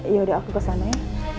yaudah aku kesana ya